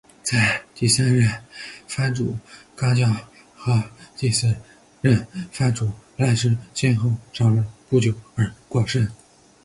在第三任藩主纲教和第四任藩主赖织先后上任不久而过身。